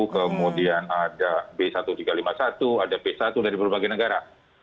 kemudian ada b satu tiga lima satu ada b satu dari berbagai negara